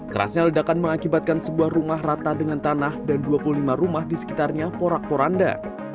kerasnya ledakan mengakibatkan sebuah rumah rata dengan tanah dan dua puluh lima rumah di sekitarnya porak poranda